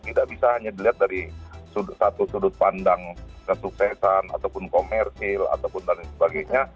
tidak bisa hanya dilihat dari satu sudut pandang kesuksesan ataupun komersil ataupun lain sebagainya